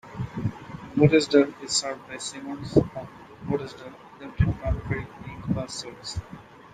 Botesdale is served by Simonds of Botesdale Limited's Country Link bus service.